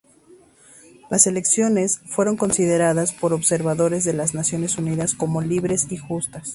Las elecciones fueron consideradas por observadores de las Naciones Unidas como libres y justas.